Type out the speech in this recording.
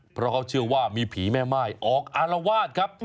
เพราะเขาเชื่อว่ามีผีแม่ม่ายออกอารวาสครับ